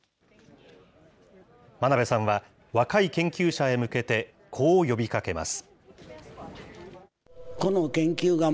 真鍋さんは、若い研究者へ向けて、こう呼びかけます。